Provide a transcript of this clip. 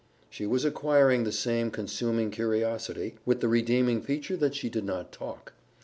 She was acquiring the same consuming curiosity, with the redeeming feature that she did not talk.